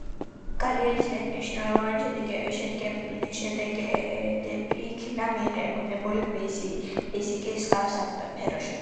გალილეის მიერ მნიშვნელოვანი შედეგები იქნა მიღებული ფიზიკის სხვა სფეროშიც.